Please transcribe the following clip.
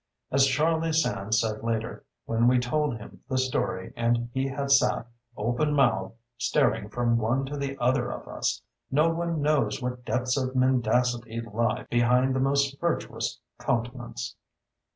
As Charlie Sands said later, when we told him the story and he had sat, open mouthed, staring from one to the other of us, no one knows what depths of mendacity lie behind the most virtuous countenance.